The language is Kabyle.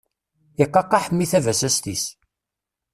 Iqaqqaḥ mmi tabasast-is.